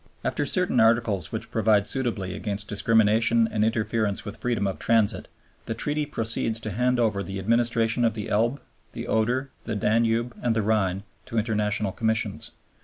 After certain Articles which provide suitably against discrimination and interference with freedom of transit, the Treaty proceeds to hand over the administration of the Elbe, the Oder, the Danube, and the Rhine to International Commissions.